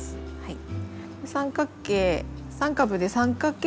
三角形。